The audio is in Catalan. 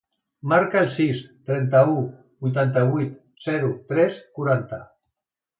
Marca el sis, trenta-u, vuitanta-vuit, zero, tres, quaranta.